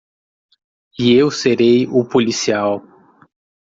E eu serei o policial.